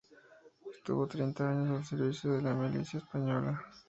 Estuvo treinta años al servicio de la milicia española.